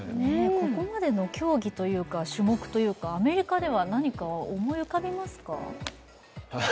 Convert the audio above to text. ここまでの競技というか種目というか、アメリカでは何か思い浮かびますか？